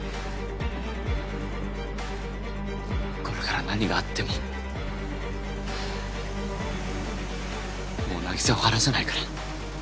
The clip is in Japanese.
これから何があってももう凪沙を離さないから。